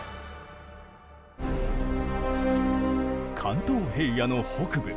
関東平野の北部。